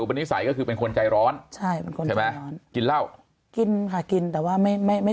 อุปนิสัยก็คือเป็นคนใจร้อนกินเล่ากินค่ะกินแต่ว่าไม่ไม่ไม่